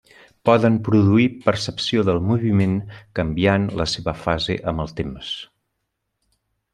Poden produir percepció del moviment canviant la seva fase amb el temps.